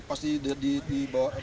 pasti di bawah